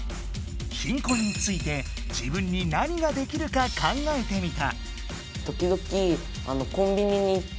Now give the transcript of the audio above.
「貧困」について自分に何ができるか考えてみた。